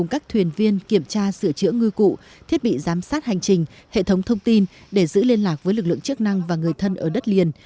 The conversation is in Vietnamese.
các thuyền viên kiểm tra sửa chữa ngư cụ thiết bị giám sát hành trình hệ thống thông tin để giữ liên lạc với lực lượng chức năng và người thân ở đất liền